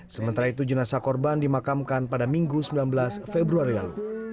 sementara itu jenazah korban dimakamkan pada minggu sembilan belas februari lalu